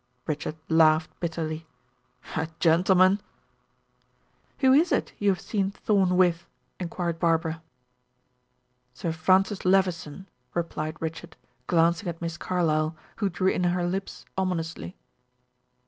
Richard laughed bitterly. "A gentleman?" "Who is it you have seen Thorn with?" inquired Barbara. "Sir Francis Levison," replied Richard, glancing at Miss Carlyle, who drew in her lips ominously.